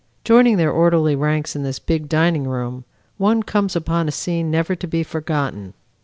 Joining their orderly ranks in this big dining room one comes upon a scene never to be forgotten.